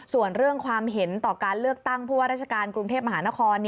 ส่วนเรื่องความเห็นต่อการเลือกตั้งผู้ว่าราชการกรุงเทพมหานคร